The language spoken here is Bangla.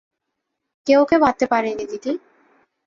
কে ওকে বাঁধতে পারেনি দিদি?